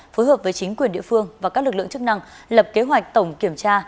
phối hợp với chính quyền địa phương và các lực lượng chức năng lập kế hoạch tổng kiểm tra